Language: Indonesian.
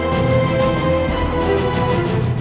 pokoknya aku sudah selesai